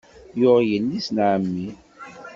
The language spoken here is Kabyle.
Yuɣ yelli-s n ɛemmi.